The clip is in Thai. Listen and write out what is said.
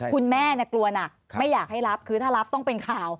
คุณแม่กลัวหนักไม่อยากให้รับคือถ้ารับต้องเป็นข่าว